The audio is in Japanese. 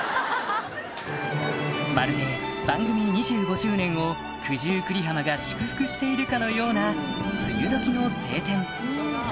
まるで番組２５周年を九十九里浜が祝福しているかのような梅雨時の晴天